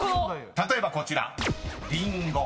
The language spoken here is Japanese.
［例えばこちらりんご］